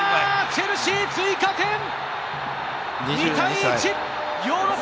チェルシー、追加点！